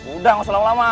udah gak usah lama lama